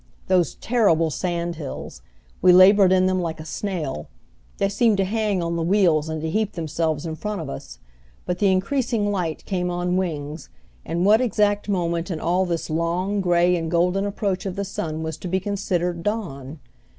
Those terrible sand hills! We labored in them like a snail. They seemed to hang on the wheels, and to heap themselves in front of us; but the increasing light came on wings and what exact moment in all this long, gray and golden approach of the sun was to be considered dawn?